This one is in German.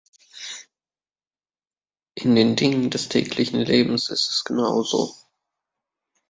In den Dingen des täglichen Lebens ist es genauso.